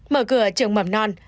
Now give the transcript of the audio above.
mở cửa trường mầm non